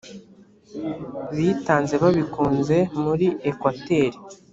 bitanze babikunze muri ekwateri